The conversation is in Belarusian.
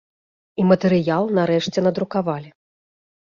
І матэрыял нарэшце надрукавалі.